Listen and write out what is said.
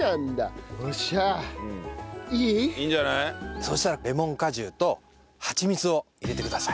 そうしたらレモン果汁とはちみつを入れてください。